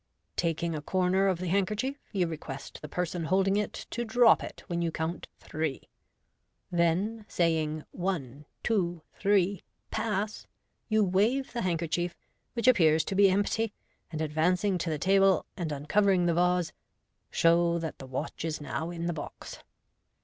Taking a corner of the handker chief, you request the person holding it to drop it when you count a three." Then saying, " One, two, three. Pass !" you wave the handkerchief, which appears to be empty, and advancing to the table and uncovering the vase, show that the watch is now in the box.